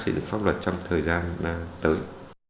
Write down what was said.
đó là những cái pháp luật trong thời gian tới